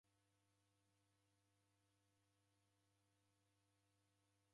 Ichi kidasi ni chani chasighwa aha?